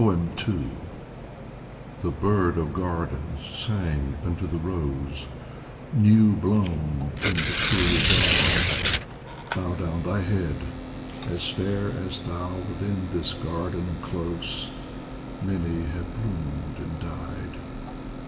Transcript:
II THE bird of gardens sang unto the rose, New blown in the clear dawn :" Bow down thy head ! As fair as thou within this garden close, Many have bloomed and died."